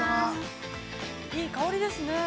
いい香りですね。